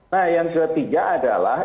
nah yang ketiga adalah